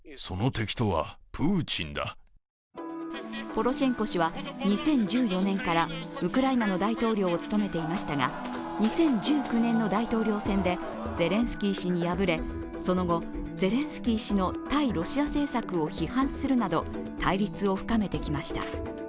ポロシェンコ氏は２０１４年からウクライナの大統領を務めていましたが、２０１９年の大統領選でゼレンスキー氏に敗れその後、ゼレンスキー氏の対ロシア政策を批判するなど対立を深めてきました。